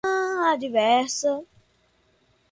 adversa